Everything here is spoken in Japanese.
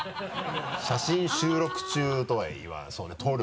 写真収録中とは言わないそうね撮る。